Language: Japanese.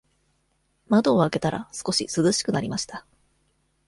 窓を開けたら、少し涼しくなりました。